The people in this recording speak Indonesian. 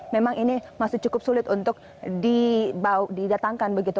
memang ini masih cukup sulit untuk didatangkan begitu